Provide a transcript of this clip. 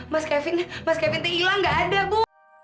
mas kevin mas kevin itu hilang gak ada bu